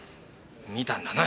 見たんだな